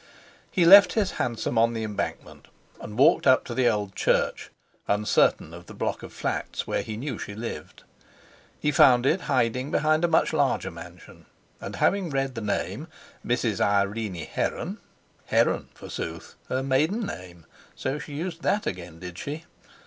He left his hansom on the Embankment, and walked up to the Old Church, uncertain of the block of flats where he knew she lived. He found it hiding behind a much larger mansion; and having read the name, "Mrs. Irene Heron"—Heron, forsooth! Her maiden name: so she used that again, did she?